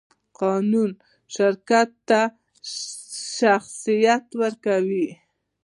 قانون شرکت ته شخصیت ورکوي.